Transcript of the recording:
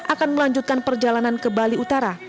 akan melanjutkan perjalanan ke bali utara